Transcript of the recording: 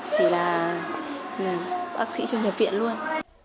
thì là bác sĩ cho nhập viện luôn